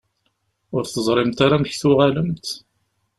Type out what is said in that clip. Ur teẓrimt ara amek tuɣalemt?